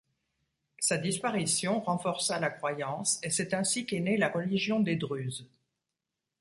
Sa disparition renforça la croyance et c'est ainsi qu'est née la religion des druzes.